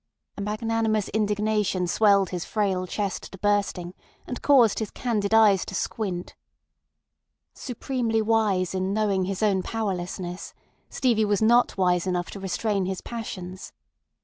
A magnanimous indignation swelled his frail chest to bursting, and caused his candid eyes to squint. Supremely wise in knowing his own powerlessness, Stevie was not wise enough to restrain his passions.